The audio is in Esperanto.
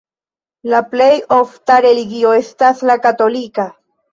La plej ofta religio estas la katolika.